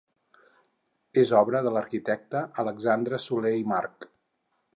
És obra de l'arquitecte Alexandre Soler i March.